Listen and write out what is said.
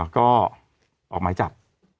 ก็ออกไม้จับ